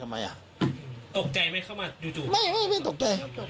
ไม่เป็นตกใจ